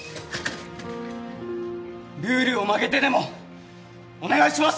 ルールを曲げてでもお願いします！